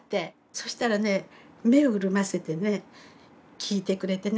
そしたらね目を潤ませてね聞いてくれてね